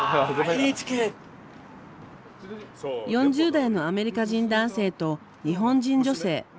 ４０代のアメリカ人男性と日本人女性。